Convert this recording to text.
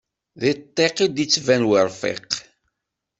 Deg ṭṭiq id yeţban werfiq.